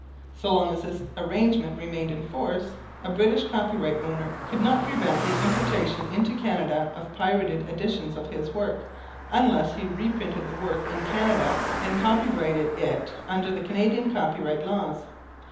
So long as this arrangement remained in force, a British copyright owner could not prevent the importation into Canada of pirated editions of his work, unless he reprinted the work in Canada and copyrighted it under the Canadian copyright laws.